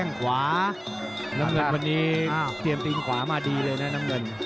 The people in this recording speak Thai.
ขวาน้ำเงินวันนี้เตรียมตีนขวามาดีเลยนะน้ำเงิน